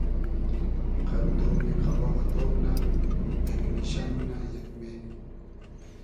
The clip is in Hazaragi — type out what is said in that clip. قئد دومی قئباغ تۉغ نۂ ، بېگنیشۂ مونۂ یئگمې